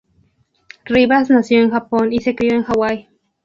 Rivas nació en Japón y se crio en Hawaii.